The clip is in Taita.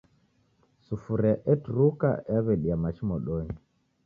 Sufuria eturuka yaw'edia machi modonyi